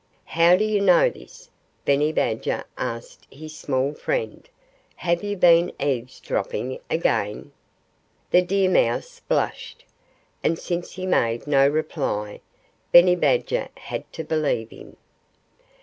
"How do you know this?" Benny Badger asked his small friend. "Have you been eavesdropping again?" The deer mouse blushed. And since he made no reply, Benny Badger had to believe him.